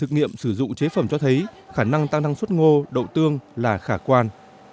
nghiệm sử dụng chế phẩm cho thấy khả năng tăng năng suất ngô đậu tương là khả quan